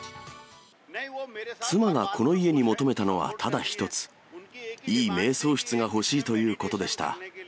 妻がこの家に求めたのはただ一つ、いいめい想室が欲しいということでした。